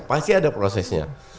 pasti ada prosesnya